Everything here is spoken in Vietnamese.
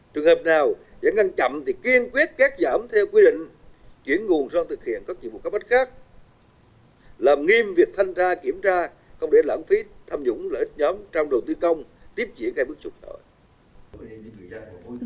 trường hợp nào giải ngăn chậm thì kiên quyết kết giảm theo quy định chuyển nguồn do thực hiện các nhiệm vụ các bách khác làm nghiêm việc thanh ra kiểm tra không để lãng phí tham dũng lợi ích nhóm trong đầu tư công tiếp diễn cái bước chụp nổi